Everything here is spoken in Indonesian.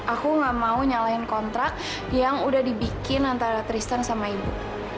aku nggak mau nyalahin kontrak yang udah dibikin antara tristan sama ibu